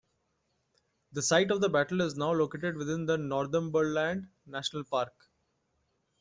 The site of the battle is now located within the Northumberland National Park.